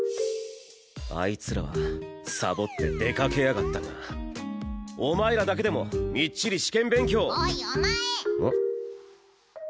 あいつらはサボって出かけやがったがお前らだけでもみっちり試験勉強をおいお前うん？